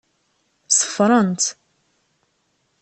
Ṣeffrent.